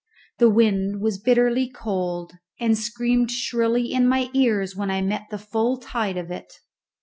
The wind was bitterly cold, and screamed shrilly in my ears when I met the full tide of it.